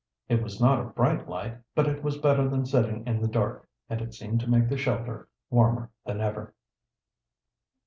It was not a bright light, but it was better than sitting in the dark, and it seemed to make the shelter warmer than ever.